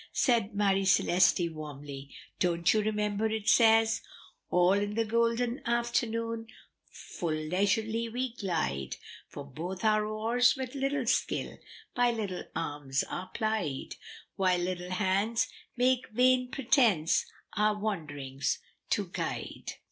said Marie Celeste warmly; "don't you remember it says, "' All in the golden afternoon Full leisurely we glide, For both our oars with little skill By little arms are plied, While little hands make vain pretence Our wanderings to guide.'"